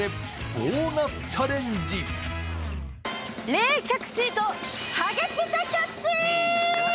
冷却シートハゲピタキャッチ！